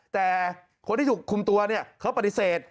แต่คนที่ถูกคุมตัวเนี่ยเขาปฏิเสธ